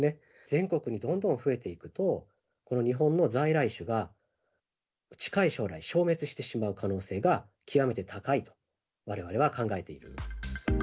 全国にどんどん増えていくと、この日本の在来種が近い将来、消滅してしまう可能性が極めて高いと、われわれは考えています。